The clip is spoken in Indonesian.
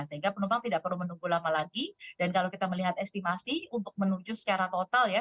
sehingga penumpang tidak perlu menunggu lama lagi dan kalau kita melihat estimasi untuk menuju secara total ya